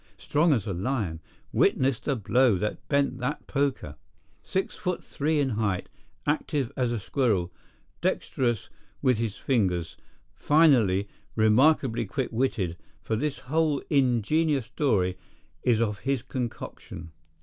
Strong as a lion—witness the blow that bent that poker! Six foot three in height, active as a squirrel, dexterous with his fingers, finally, remarkably quick witted, for this whole ingenious story is of his concoction.